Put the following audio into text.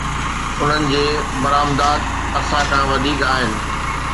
انهن جي برآمدات اسان کان وڌيڪ آهن.